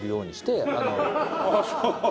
ああそう。